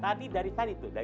tadi dari tadi tuh